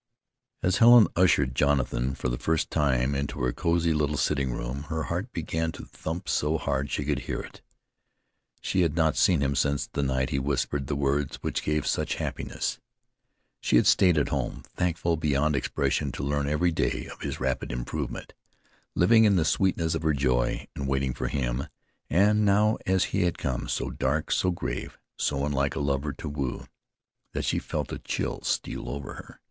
As Helen ushered Jonathan, for the first time, into her cosy little sitting room, her heart began to thump so hard she could hear it. She had not seen him since the night he whispered the words which gave such happiness. She had stayed at home, thankful beyond expression to learn every day of his rapid improvement, living in the sweetness of her joy, and waiting for him. And now as he had come, so dark, so grave, so unlike a lover to woo, that she felt a chill steal over her.